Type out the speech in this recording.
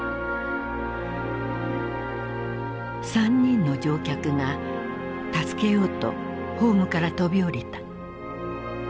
３人の乗客が助けようとホームから飛び降りた。